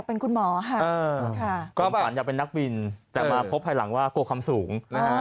ผมฝันอยากเป็นนักบินแต่มาพบภายหลังว่ากลัวคำสูง